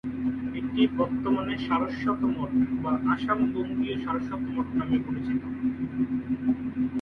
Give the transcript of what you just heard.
এটি বর্তমানে "সারস্বত মঠ" বা "আসাম বঙ্গীয় সারস্বত মঠ" নামে পরিচিত।